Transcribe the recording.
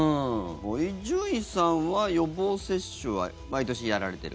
伊集院さんは予防接種は毎年やられてる？